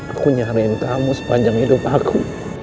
aku nyariin kamu sepanjang hidup aku